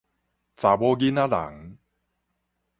查某囡仔人